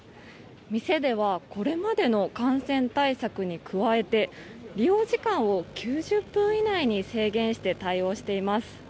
店ではこれまでの感染対策に加えて利用時間を９０分以内に制限して対応しています。